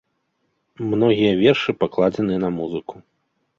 Многія вершы пакладзены на музыку.